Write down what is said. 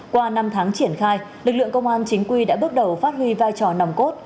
qua năm tháng triển khai lực lượng công an chính quy đã bước đầu phát huy vai trò nòng cốt